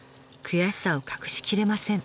悔しさを隠しきれません。